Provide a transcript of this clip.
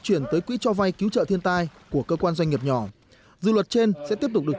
cấp cho quỹ cho vay cứu trợ thiên tài của cơ quan doanh nghiệp nhỏ dự luật trên sẽ tiếp tục được